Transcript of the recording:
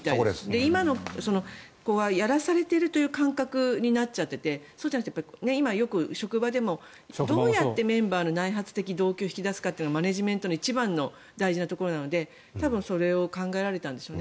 今の子はやらされているという感覚になっちゃっていてそうじゃなくて今、よく職場でもどうやってメンバーの内発的動機を引き出すかっていうのがマネジメントの一番大事なところなので多分、それを考えられたんでしょうね。